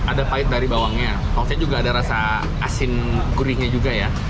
ada pahit dari bawangnya maksudnya juga ada rasa asin gurihnya juga ya